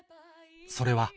それは